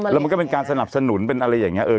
แล้วมันก็เป็นการสนับสนุนเป็นอะไรอย่างนี้